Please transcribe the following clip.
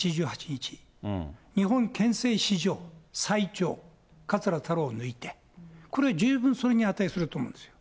日本憲政史上最長、桂太郎を抜いて、これは十分それに値すると思うんですよ。